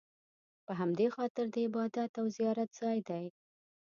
په همدې خاطر د عبادت او زیارت ځای دی.